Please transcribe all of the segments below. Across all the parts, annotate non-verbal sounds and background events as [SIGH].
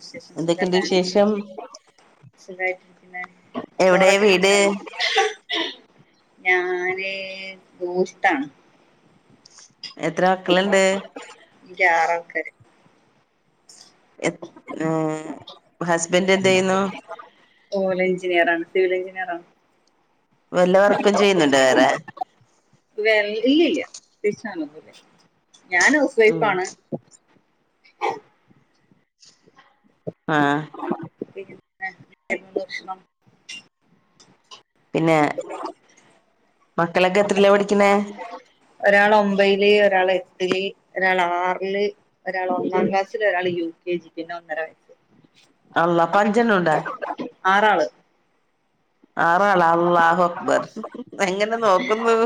[INAUDIBLE] എന്തൊക്കെയുണ്ട് വിശേഷം സുഖായിട്ടിരിക്കുന്ന എവിടെ ചോറൊക്കെ വീട് ഞാന ദോഷ്ത്താണ്. എത്ര മക്കളുണ്ട്. എനിക്ക് ആറ് ആൾക്കാര് എ ഏർ ഹസ്ബൻറ് എന്തു ചെയ്യുന്നു? ഓല എഞ്ചിനീയർണ് സിവിൽ എഞ്ചിനീയർ ആണ്. വല്ല വർക്കും ചെയ്യുന്നുണ്ടോ വേറെ വേ ഇല്ലല്ല ഞാൻ ഉം ഹൗസ്‌വൈഫാണ്. ആഹ പി ദർശന പിന്നെ മക്കളൊക്കെ എത്രീയിലാ പഠിക്കുന്നേ? ഒരാൾ ഒമ്പതില് ഒരാൾ എട്ടില് ഒരാൾ ആറില് ഒരാൾ ഒന്നാം ക്ലാസ്സില് ഒരാൾ യു കെ ജി പിന്ന ഒന്നര വയസ് അള്ളാ അപ്പൊ അഞ്ചെണ്ണ ഇണ്ടാ? ആറാള്. ആറാള അള്ളാഹ അക്ബർ എങ്ങനെ നോക്കുന്നു.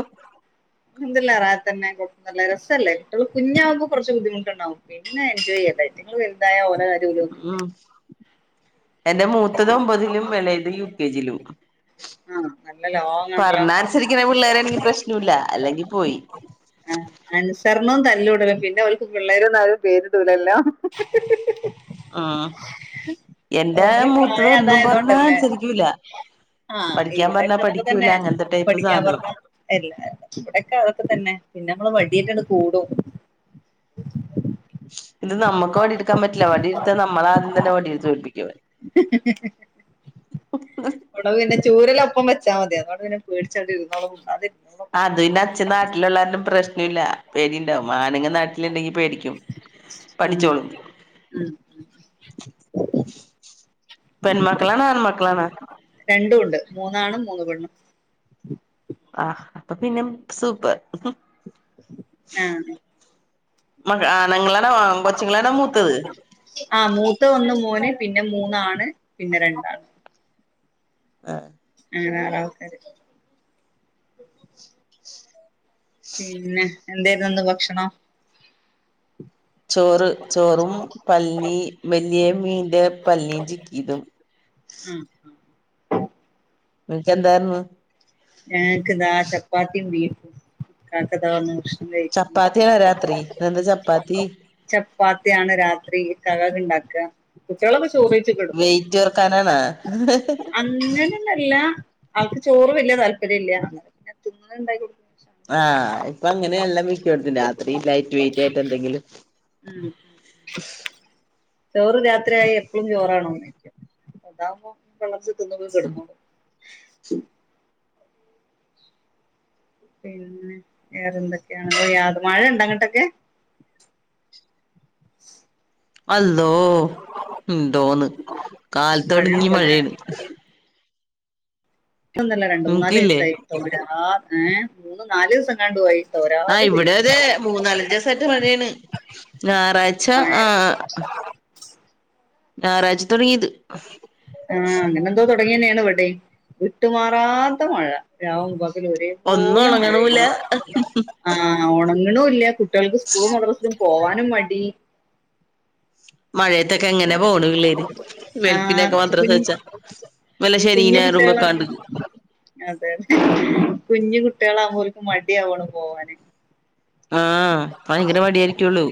എന്തല്ലാ റാഹതന്നെ. നല്ല രസമല്ലേ കുട്ടിള് കുഞ്ഞാവുമ്പോ കൊറച്ച്ബുദ്ധിമുട്ടണ്ടാവും പിന്നെ എൻജോയ് ചെയ്യ അയ്റ്റങ്ങൾ വൽതായ ഓലെ അല ഉം [UNINTELLIGIBLE] എന്റെ മൂത്തത് ഒമ്പതിലും എളയത് യു കെ ജിലും. ആഹ് നല്ല ലോങ് ആണല്ലോ പറഞ്ഞനുസരിക്കുന്ന പിള്ളേരെണെങ്കിൽ പ്രശ്നേല്ല അല്ലെങ്കി പോയി. ആഹ അനുസരണവും തല്ലൂടല പിന്നെ അവക്ക് പിള്ളേരന്നാരും പേര്ടലല്ലോ ഹ് ഹ് ഹ ഉം എന്റെ ഓലെ മൂത്തത് പ്രായം ഒന്നും പറഞ്ഞ അനുസരിക്കൂല ആഹ പഠിക്കാൻ ഇവിടെൊക്കെ പറഞ്ഞാ അതൊക്കെ തന്നെ പഠിക്കൂല അങ്ങനത്തെ ടൈപ്പ് പഠിക്കാൻ സാധനവാ പറഞ്ഞ എല്ല ഇവിടെക്കെ അതൊക്കെ തന്നെ പിന്നെ നമ്മള് വടിയിട്ടങ്ങ്കൂടും. ഇത് നമുക്ക് വടിയെടുക്കാൻ പറ്റില്ല വട എടുാൽ നമ്മള ആദ്യം തന്നെ വടി തോൽപ്പി [UNINTELLIGIBLE] ഉണവ് പിന്നെ ചൂരെല്ലാംപ്പ വെച്ചാ മതി അതോട പിെ പേടിച്ചൊണ്ട് ഇരുന്നോളും. അതു പിന്ന അച്ഛൻ നാട്ടിലുള്ളാരും പ്രശ്ന ഇല്ല പേടിണ്ടാവും ആണങ്ങ നാട്ടിലുണ്ടെങ്കി പേടിക്കും. ഉം പഠിച്ചോളും ഉം ഉ പെൺമക്കളാണോ ആൺമക്കളാണോ രണ്ടും ഉണ്ട് മൂന്നാണ് മൂന്ന് പെണ്ണു ആഹ് അപ്പൊ പിന്നെ സൂപ്പർ. ആഹ് മക ആണുങ്ങളാണോ കൊച്ചുങ്ങളാണോ മൂത്തത് ആ മൂത്ത ഒന്ന് മൂന് [INAUDIBLE] പിന്നെ മൂന്നാണ് പിന്നെ രണ്ടാണ്. ആഹ ആണ.. പിന്നെ എന്തായിന്ന് ഭക്ഷണം ചോറ് ചോറും പല്ലിനി വലിയ മീന്റെ പല്ലി ചിക്കീതും. ആഹ നിനക്ക് എന്തായിര്ന്ന്. ഞങ്ങൾക്ക് ഇതാ ചപ്പാത്തി ബീഫുംകാക്കതാന്നഷ ചപ്പാത്തിയാണ രാത്രി എന്ത് ചപ്പാത്തി. ചപ്പാത്തിയാണ് രാത്രി ഇകാക് ഉണ്ടാക്കാകുട്ടിള് ചോറി കിടുന്നു വെയിറ്റ് കുറക്കാനാണോ അങ്ങ [INAUDIBLE] നെന്നല്ല അവൾക്ക് ചോറ് വലിയ താല്പര്യം ഇല്ല പിന്നെ തിന്ന്ന ഉണ്ടായി. ആഹ് ഇപ്പൊ അങ്ങനെയ എല്ലാം വിഷ കൊടുത്തി രാത്രി ലൈറ്റ് വെയിറ്റ് ആയിട്ട് എന്തെങ്കിലും. ഉം ഉം [UNINTELLIGIBLE] ചോറ് രാത്രിയായി എപ്പോഴും ചോറാണോ? അതാകുമ്പോ പള്ളർച്ച തിന്ന്ങ്ങ്‌കെടക്ക് പിന്നെ, വേറെന്തൊക്കെയാണ്, യാത, മഴണ്ടോ, അങ്ങോട്ടൊക്കെ [UNINTELLIGIBLE] അള്ളോ, ന്തോന്ന്, കാലത്തൊടങ്ങി, മഴയുണ്ടല്ലേ മഴേണ്. ന്നല്ല രണ്ട്, മൂന്നാല്, നിനക്കില്ലേ ഈസായി, തോരാ, ഏ, ആഹ്, മൂന്ന്, നാല്, ദിവസ ആഹ് തോരാതെ ഇവിടെ പെയ്യുന്ന അതെ ഒരാളത് മൂന്നാലഞ്ച് ദിവസായിട്ട് മഴയാണ് ഞായറാഴ്ച [UNINTELLIGIBLE] ഞാറായ്ച്ച ആ, അങ്ങനെന്തോ, തു ങ്ങന്നേണ്, വടേം, വിട്ടുമാറാത്ത, മഴ, രാവും, പക ഒന്നും രൊരേപോലെ, ഉണങ്ങണൂല്ല മഴേണ്, ആ, ഓണങ് ണ്ണുല്ല, കുട്ട്യാൾക്ക്, സ്കൂളും, മദ്രസും, പോവാനും, മടി മഴയത്തൊക്കെ, എങ്ങനെ, പോണ്, പിള്ളേര് ആഹ് വെളുപ്പിനൊക്കെ, കു മദ്രസച്ച, വല്ല, ഷെനീം, കുഞ്ഞു ഞായറും, കുട്ടികളാണ് വെക്കാണ്ട്, അതെ, അതെ, കുഞ്ഞു കുട്ടികളാവുമ്പോൽക്ക്, മടി ആവാണ്, പോവാന് ആ, ഭയങ്കര, മടിയായിരിക്കുള്ളു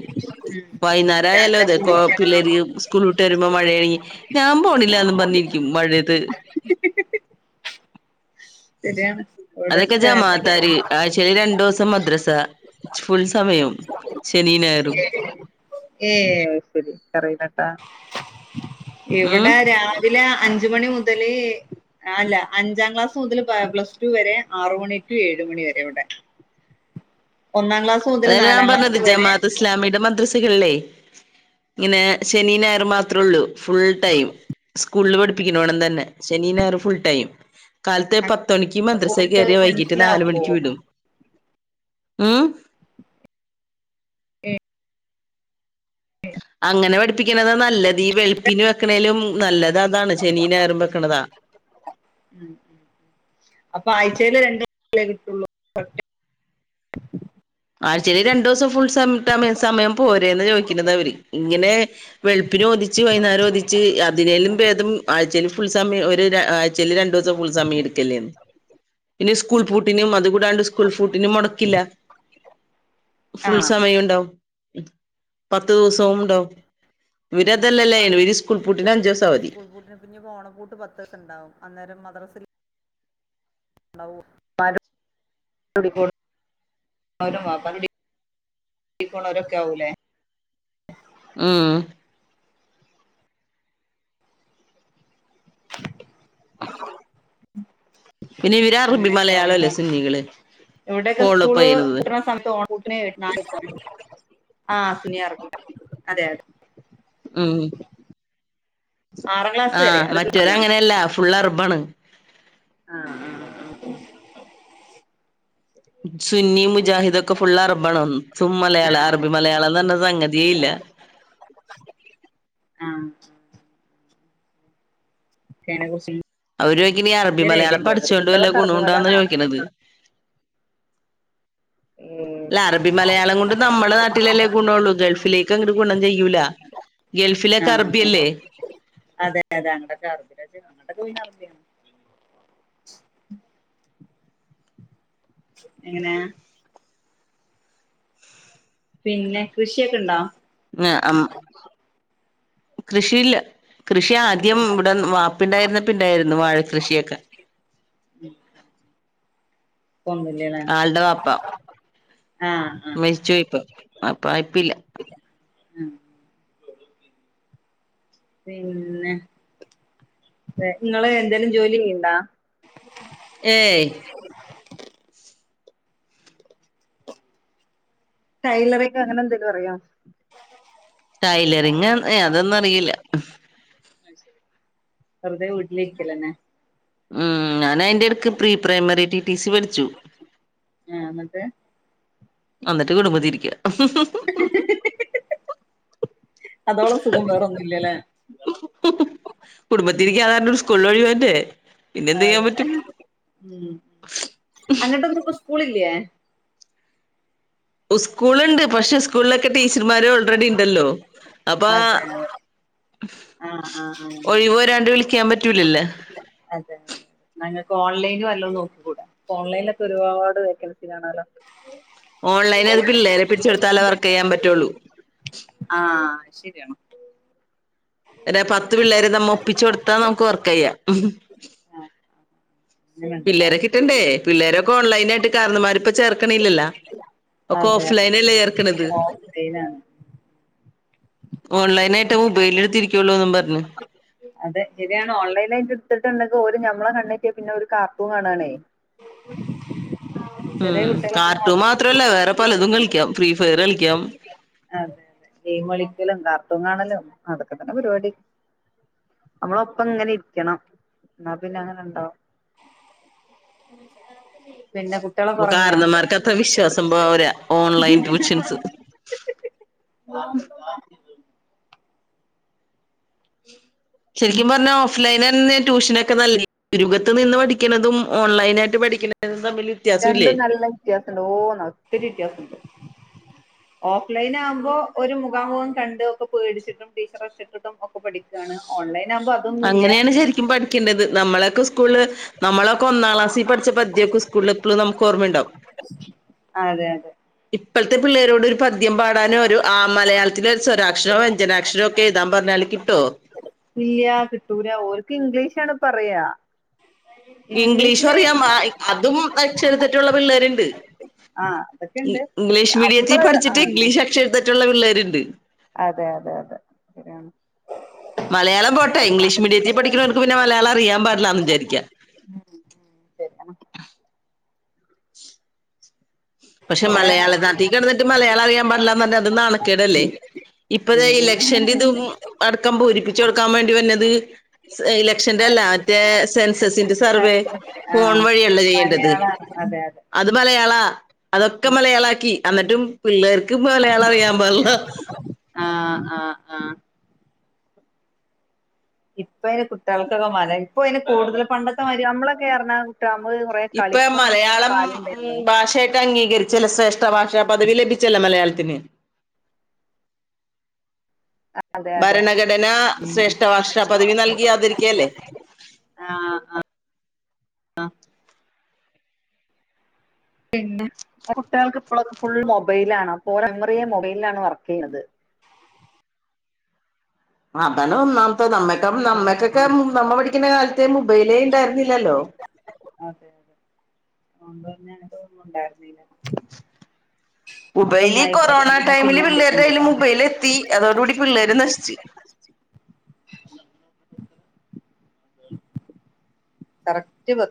ഉം വൈകുന്നേയാലോ, രാവിലെ അതെ, ക്കൊ, കുളിക്കണം പിള്ളേര്, സ്കൂള വിട്ട്, വരുമ്പോ, മഴേണി, ഞാൻ, പോണില്ലന്ന്, പറഞ്ഞി ക്കും, മഴത്ത് ശരിയാണ് അതൊക്കെ, ഇവിടെക്കെ ജെമാത്താരി, ആഴ്ചെല്, രണ്ടൂസം, മദ്രസ ഫുൾ സമയം ശനിയും ഞായറും ഏ, ശരി, കറ ഉം ഇവിടെ, രാവിലെ അഞ്ച്, മണി മുതല്, അല്ല, അഞ്ചാം ക്ലാസ്, മുതല്, പ്ലസ് ടു വരെ, ആറ്, മണി, ടു, ഏഴ് ട്ട്, മണിവരെവെടെ, ഒന്നാം, ക് അതല്ല, ഞാൻ പറഞ്ഞത്, ജമാഅത്ത്, ഇസ്ലാമിടെ, മദ്ര കൾല്ലേ, ഇങ്ങനെ, ശെനീം, ഞായറും, മാത്രേള്ളൂ. ഫുൾ, ടൈം, സ്കൂളിൽ, പഠിപ്പിക്കണൊണം, തന്നെ, ശെനീം, ഞായറും, ഫുൾ, ടൈം. കാലത്തെ, പത്ത്, മണിക്ക്, മദ്രസെ, ഓർക്ക് കേറിയ, വൈകീട്ട്, നാല്, മനസ്സിലാവുമോ മണിക്ക്, വിടു മ്മ് ഏ അങ്ങനെ, പഠപ്പിക്കണത, നല്ലത്, ഈ വെളുപ്പിന്, വെക്കണേലും മ്മ്, നല്ലതതാണ്, ശെനീം, ഞായറൊക്കെ, വെക്കണതാ ആഴ്ച്ചൽ രണ്ടേ, കിട്ടുള്ളൂ ആഴ്ച്ചൽ, രണ്ടൂസം, ഫുൾ നം, ട്ട, സമയം, പോരേന്ന്, ചോദിക്കുന്നതവര് ഇങ്ങനെ വെളുപിനെ ഓടിച്ചു വായിന്നേരം ഓടിച്ചു അതിനേലും, ബേദം ആഴ്ചേല്, ഫുൾ സമയം, ഒരു, ര, ആഴ്ചൽ, രണ്ടുസം, ഫുൾ, സമയം, എടുക്കലേന്ന് ഇനി, സ്കൂൾപൂട്ടിനും, അത് കൂടാണ്ട്, സ്കൂൾ ഫുഡ്നും, മൊടക്കില്ല ആ ഫുൾ, സമയൊണ്ടാവും. മ്മ്, പത്ത്, ദിവസൊവും ണ്ടാവും അപ്പൊ, അങ്ങനെ, കുട്ട്യാൾ, വരോ, അവധി സ്കൂൾ പൂട്ടിന്, പ്പിനിപ്പോ, ഓണപ്പൂട്ട്, പത്തീസം, ണ്ടാവും, അന്നേരം, മദ്രാസിൽ [UNINTELLIGIBLE] [UNINTELLIGIBLE] ആാവൂലേ മ്മ് [INAUDIBLE] പിന്നെ, ഇവരറബി, മലയാളല്ലേ, സുന്നികള്. ഇവിടെക്കെ, ഫോളോ അപ്പ് സ്കൂള്, ചെയ്യണത് പൂട്ട്ണ, സമയത്ത്, ഓണ പ്പൂട്ട്ണ് [UNINTELLIGIBLE] ആഹ, സുനിയറബി, അതെ, അതെ ഉം, ആറാം ക്ലാസ് വരെ ആഹ്, അത് മതിയാണ് മറ്റേതങ്ങനെയല്ല, ഫുള്ളർബാണ്. ആ, ആ, ആ സുന്നി മുജാഹിദോക്കെ ഫുള് അറബാണ് സും മലയാളം അറബി മലയാളം എന്ന് പറഞ്ഞ സംഗതിയേ ഇല്ല ആ കേണ [UNINTELLIGIBLE] അവര് ചോദിക്കണ് ഈ അറബി മലയാളം രായിട്ടില്ലേ എന്നിട്ട് പഠിച്ചോണ്ട് വല്ല കുട്ടികളൊക്കെ ഗുണുണ്ടാന്നാ അറബിമലയാളാണ് ചോദിക്കണത് ഏ അല്ല അറബി മലയാളം കൊണ്ട് നമ്മുടെ നാട്ടിലല്ലേ ഗുണള്ളൂ ഗൾഫിലേക്ക് അങ്ങട് ഗുണം ചെയ്യൂല ഗൾഫിലെക്കെ ആഹ് അറബിയല്ലേ അതെ അതെ അങ്ങൊക്കെ അറബിയാണ് അറബിയാണ് എങ്ങനെയാ പിന്നെ കൃഷിയൊക്കെ ഉണ്ടോ കൃഷിയില്ല കൃഷി ആദ്യം ഇവിടെ വാപ്പയുണ്ടായിരുന്നപ്പൊണ്ടായിരുന്നു വാഴ കൃഷിയൊക്കെ ഉം ആളുടെ വാപ്പ ആഹ് ആഹ് മരിച്ചു പോയിപ്പോ അപ്പ ഇപ്പില്ല ഉം പിന്നെ നിങ്ങള് എന്തേലും ജോലി ചെയ്യിണ്ട ഏയ് ടൈലറിങ് അങ്ങനെ എന്തേലും അറിയോ ടൈലറിങ് അതൊന്നും അറിയില്ല ശരി വെറുതെ വീട്ടില ഇരിക്കലന്നെ ഉം ഞാൻ അയിന്റെ ഇടക്ക് pre primary T T C പഠിച്ചു ആഹ് എന്നിട്ട് എന്നിട്ട് കുടുമ്പത്തിരിക്ക അതോളം സുഖം വേറെൊന്നുല്ല്യല്ലേ കുടുംബത്തിരിക്കാതാരോട് സ്കൂളു ഒഴിവ് വേണ്ടേ പിന്നെ എന്ത് ചെയ്യാൻ ആഹ് പറ്റും ഉം അങ്ങട്ടൊന്നും ഇപ്പൊ സ്കൂൾ ഇല്ലേ ഉസ്കൂളുണ്ട് പക്ഷെ സ്കൂളിലൊക്കെ ടീച്ചർമാര് ഓൾറെഡി ഉണ്ടല്ലോ അപ്പ അതെ ആഹ് ആഹ് ആഹ് അങ്ങനെ ഒഴിവുവരാണ്ട് വിളിക്കാൻ പറ്റൂലല്ലോ അതെ ഞങ്ങക്ക് ഓൺലൈന് വല്ലോം നോക്കി കൂടെ ഓൺലൈനിലൊക്കെ ഒരുപാട് വേക്കൻസി കാണല്ലോ ഓൺലൈൻ അത് പിള്ളേരെ പിടിച്ചു കൊടുത്താലേ വർക്ക് ചെയ്യാൻ പറ്റുള്ളൂ ആ അത് ശരിയാണ് പത്ത് പിള്ളേര് നമ്മ ഒപ്പിച്ചു കൊടുത്താ നമുക്ക് വർക്കെയ്യാം ആഹ് അങ്ങനെണ്ടല്ലേ പിള്ളേരെ കിട്ടണ്ടേ പിള്ളേരൊക്കെ ഓൺലൈനായിട്ട് കാരണവന്മാരെ പ ചേർക്കണില്ലല്ല ഒക്കെ അതെ ഓഫ് ലൈനല്ലേ ചേർക്കണത് ഓൺലൈനാണ് ഓൺലൈനായിട്ട് മൊബൈല് എടുത്തിരിക്കുവല്ലോ എന്നും പറഞ്ഞു അതെ ശരിയാണ് ഓൺലൈൻ അയിട്ട് എടുത്തിട്ടുണ്ടെങ്കിൽ ഒരു ഞമ്മളെ കണ്ണുവെട്ടിട്ട് പിന്നെ ഒരു കാർട്ടൂണ് കാണാണേ ചെറിയ ഉം കുട്ടികളൊക്കെ കാർട്ടുണ് ആവുമ്പോ മാത്രല്ല വേറെ പലതും കളിക്കാം ഫ്രീ ഫയർ കളിക്കാം അതെ അതെ ഗെയിംകളിക്കലും കാർട്ടൂൺ കാണലും അതൊക്കെ തന്നെ പരിപാടി നമ്മളു ഒപ്പം ഇങ്ങനെ ഇരിക്കണം എന്നാ പിന്നെ അങ്ങനെണ്ടാവും പിന്നെ കുട്ടികളൊക്കെ ഇപ്പൊ ഉറങ്ങിയാ കാരണന്മാർക്ക് അത്ര വിശ്വാസം പോരാ ഓൺലൈൻ ട്യൂഷൻസ് ഒ ഉം ശരിക്കും പറഞ്ഞാ ഓഫ്‌ലൈൻ തന്നേ ട്യൂഷനൊക്കെ നല്ലേ രുകത്ത് നിന്ന് പഠിക്കുന്നതും ഓൺലൈൻ ആയിട്ട് പഠിക്കണതും തമ്മിൽ വ്യത്യാസംല്ലേ രണ്ടും നല്ല വ്യത്യാസംണ്ട് ഓന്ന ഒത്തിരി വ്യത്യാസംണ്ട് ഓഫ്ലൈൻ ആകുമ്പോൾ ഒരു മുഖാമുഖം കണ്ട് ഒക്കെ പേടിച്ചിട്ടും ടീച്ചറേ സെട്ടിട്ടും ഒക്കെ പഠിക്കുകയാണ് ഓൺലൈൻ ആകുമ്പോ അതൊന്നുമില്ല അങ്ങനെയാണ് ശരിക്കും പഠിക്കേണ്ടത് നമ്മളൊക്കെ അങ്ങനെയാണ് ശരിക്കും അങ്ങനെയാണ് ശെരിക്കും പഠിക്കേണ്ടത് നമ്മളെസ്കൂളില് നമ്മളൊക്കെ ഒന്നാം ക്ലാസ്സിൽ പഠിച്ച പദ്ധൊക്കെ സ്കൂളിൽ നമുക്ക് ഓർമ്മുണ്ടകും. അതെ അതെ ഇപ്പോഴത്തെ പിള്ളേരോട് പദ്യം പാടാനോ ഒരു ആ പദ്യം മലയാളത്തില ഒരു സ്വരാക്ഷരോ വഞ്ജനാക്ഷരമോ ഒക്കെ എഴുതാൻ പറഞ്ഞാല് കിട്ടോ ഇല്ല ൂരാ ഓർക്ക് ഇംഗ്ലീഷ ആാണ് പറയാ ഇംഗ്ലീഷും ഇംഗ്ലീഷില് അറിയാം അതും അക്ഷര തെറ്റുള്ള പിള്ളേരുണ്ട്. ആ അതൊക്കെ ഉണ്ട് ഇംഗ്ലീഷ് മീഡിയത്തി നമ്മള് ആ പഠിച്ചിട്ട് ഇംഗ്ലീഷ് അക്ഷര തെറ്റുള്ള പിള്ളേരുണ്ട് അതെ അതെ അതെ ശരിയാണ് മലയാളം പോട്ടെ. ഇംഗ്ലീഷ് മീഡിയത്തിൽ പഠിക്കുന്നവർക്ക് പിന്നെ മലയാളം അറിയാൻ പാടില്ലന്ന് വിചാരിക്കാ ഉ പക്ഷെ കൊറേ മലയാള നാട്ടീ കിടന്നിട്ട് മലയാളം അറിയാൻ പടില്ല അത് നണക്കേടല്ലേ? ഇപ്പത ഇലക്ഷൻന്റെ ഇതും അടക്കം പൂരിപ്പിക്കും ിച്ച കൊടുക്കാൻ വേണ്ടി വന്നത്? ഇലക്ഷന്റെ അല്ലാ മറ്റേ സെൻസസിന്റെ സർവേ ആ ഫോൺ വഴിയല്ല ചെയ്യേണ്ടത്? മലയാളം അതെ അതെ അത് മലയാളാ അതൊക്കെ മലയാള ആക്കി അന്നിട്ടും പിള്ളേർക്കും ഇപ്പം മലയാള അറിയാൻ പാടില്ല ആഹ ഇപ്പൊ അതിന്റെ കുട്ടികൾക്കൊക്കെ മര ഇപ്പ അതിന് കൂടുതൽ പണ്ടൊക്കെ മതി നമ്മളൊക്കെറഞ്ഞാ ഇപ്പൊ മലയാളം ഉ ഉണ്ടായിരുന്നു ഭാഷായിട്ട് അംഗീകരിച്ചില്ല സർ മത്ത ഭാഷാ പദവി ലഭിച്ചല്ല മലയാളത്തിന്? അതെ അതെ ഭരണഘടന ശ്രേഷ്ഠ ഭാഷാ പദവി നൽകിയാതിരിക്കുകല്ലേ? ആഹ ആഹ ആഹ പിന്നെ കുട്ടികൾക്ക് എപ്പോളും ഫുൾ മൊബൈൽ ആണ് മെമ്മറിയെ മൊബൈലിൽ ആണ് വർക്ക്‌ ചെയുന്നത് അതാണ് ഒന്നാം നമ്മക്ക് നമ്മക്കൊക്കെ അതെ നമ്മൾ പഠിക്കുന്ന കാലത്തെ മൊബൈലേ ഉണ്ടായിരുന്നില്ലല്ലോ അതെ അതെ അണ്ടന്ന [UNINTELLIGIBLE] തോന്നുന്നുണ്ടായിരുന്നന മബൈൽ ഈ കൊറോണ ടൈമില് വിളിക്കണ്ട് പിള്ളേരുടൊലും ട്ടോ മബൈൽ എത്തി അതോടുകൂടി പിള്ളേര് നശിച്ചു കറക്റ്റ് പ.